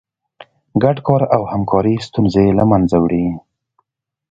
ګډ کار او همکاري ستونزې له منځه وړي.